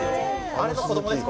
あれの子供です